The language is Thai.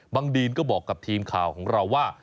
ดีนก็บอกกับทีมข่าวของเราว่า